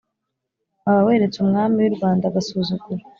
waba weretse umwami wirwanda agasuzuguro